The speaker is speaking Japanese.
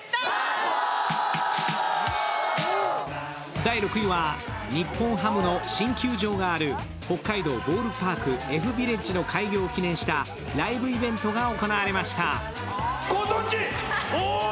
第６位は日本ハムの新球場がある北海道ボールパークＦビレッジの開業を記念したライブイベントが行われました。